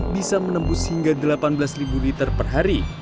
bisa menembus hingga delapan belas liter per hari